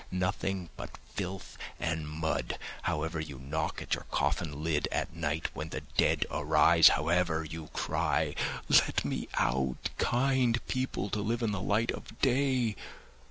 Nothing but filth and mud, however you knock at your coffin lid at night, when the dead arise, however you cry: 'Let me out, kind people, to live in the light of day!